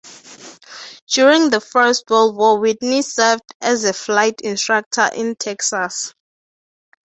During the first World War Whitney served as a flight instructor in Texas.